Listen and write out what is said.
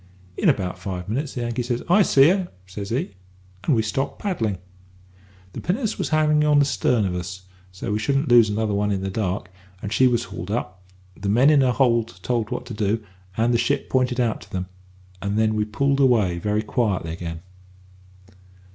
In about five minutes the Yankee says, `I see her,' says he; and we stopped paddling. The pinnace was hanging on astern of us, so's we shouldn't lose one another in the dark; and she was hauled up, the men in her told what to do, and the ship pointed out to them; and then we pulled away very quietly again.